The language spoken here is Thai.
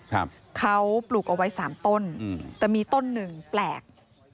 ครับเขาปลูกเอาไว้สามต้นอืมแต่มีต้นหนึ่งแปลก